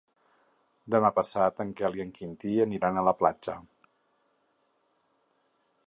Demà passat en Quel i en Quintí aniran a la platja.